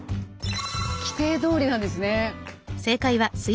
規定どおりなんですね。